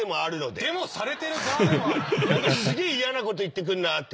何かすげえ嫌なこと言ってくんなって。